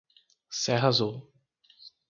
Serra Azul